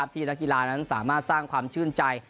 ที่นักกีฬานั้นสามารถสร้างความชื่นใจ